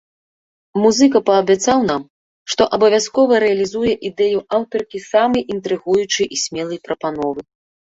Музыка паабяцаў нам, што абавязкова рэалізуе ідэю аўтаркі самай інтрыгуючай і смелай прапановы.